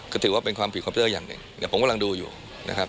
ก็ถือว่าเป็นความผิดคอปเตอร์อย่างหนึ่งผมกำลังดูอยู่นะครับ